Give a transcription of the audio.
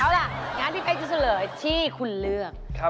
เอาล่ะงั้นพี่เป๊กจะเฉลยที่คุณเลือก